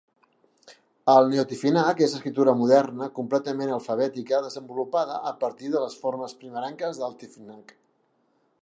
El neotifinag és l'escriptura moderna completament alfabètica desenvolupada a partir de les formes primerenques del tifinag.